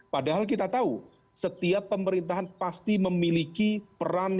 padahal kita tahu setiap pemerintahan pasti memiliki peran